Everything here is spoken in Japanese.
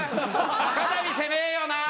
肩身狭えよなぁ！？